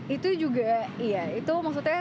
itu juga iya itu maksudnya